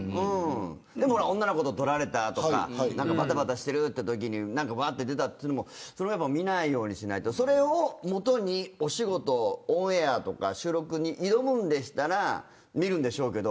でも、女の子と撮られたとかばたばたしてるってときにわって出たというのもそれも見ないようにしないとそれを元にお仕事、オンエアとか収録に挑むんでしたら見るんでしょうけど。